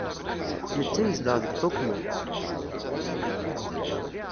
Netta yezdeɣ deg Tokyo.